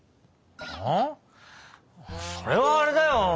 うん？それはあれだよ。